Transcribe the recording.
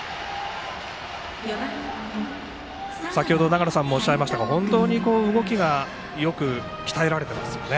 先ほど、長野さんもおっしゃいましたが本当に動きがよくて鍛えられていますよね。